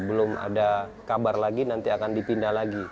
belum ada kabar lagi nanti akan dipindah lagi